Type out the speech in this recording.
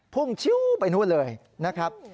พุ่งชิ้วไปนู่นเลยนะครับ